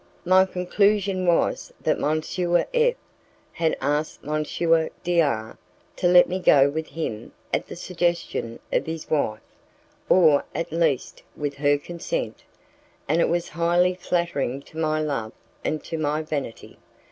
My conclusion was that M. F had asked M. D R to let me go with him at the suggestion of his wife, or, at least with her consent, and it was highly flattering to my love and to my vanity.